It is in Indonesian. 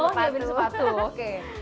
oh nyapin sepatu oke